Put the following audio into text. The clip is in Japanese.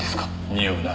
におうな。